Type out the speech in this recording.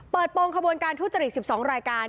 โปรงขบวนการทุจริต๑๒รายการ